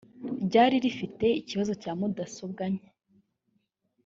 ryari rifite ikibazo cya mudasobwa nke